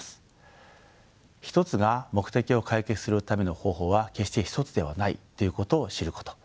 １つが目的を解決するための方法は決して１つではないということを知ること。